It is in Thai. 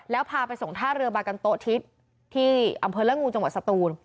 แล้วพาไปส่งท่าเรือบากันโตทิศที่อำเภอละงูจังหวัดสตูน